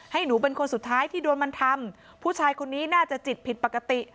หนูเป็นคนสุดท้ายที่โดนมันทำผู้ชายคนนี้น่าจะจิตผิดปกติ